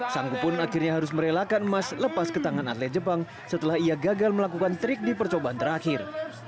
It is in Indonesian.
sanggup pun akhirnya harus merelakan emas lepas ke tangan atlet jepang setelah ia gagal melakukan trik di percobaan terakhir